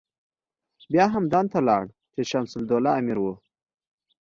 بیا همدان ته لاړ چې شمس الدوله امیر و.